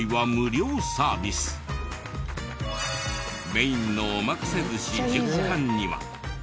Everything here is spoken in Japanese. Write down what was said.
メインのおまかせ寿司１０貫には。